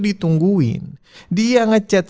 ditungguin dia ngechat